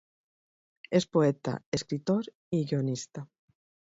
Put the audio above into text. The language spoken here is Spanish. Es poeta, escritor y guionista.